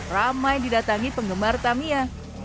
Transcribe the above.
ramai didatangi penggemar tamiya